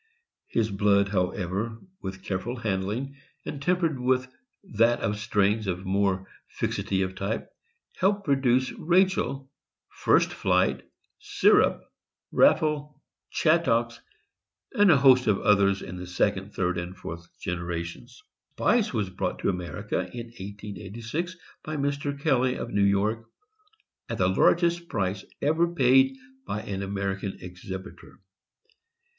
His blood, however, with careful handling, and tempered with that of strains of more fixity of type, helped to produce Rachel, First Flight, Syrup, Raffle, Chattox, and a host of others in the second, third, and fourth generations. Spice was brought to America in 1886, by Mr. Kelly, of New York, at the largest price ever paid by an American exhibitor.